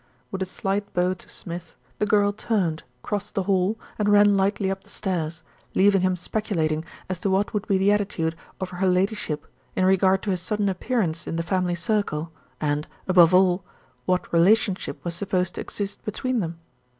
With a slight bow to Smith the girl turned, crossed the hall, and ran lightly up the stairs, leaving him speculating as to what would be the attitude of "her Ladyship" in regard to his sudden appearance in the family circle and, above all, what relationship was supposed to exist between them.